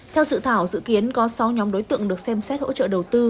theo dự thảo dự kiến có sáu nhóm đối tượng được xem xét hỗ trợ đầu tư